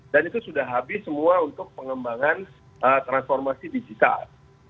dan itu sudah habis semua untuk pengembangan transformasi digital